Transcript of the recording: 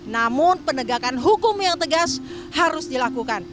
namun penegakan hukum yang tegas harus dilakukan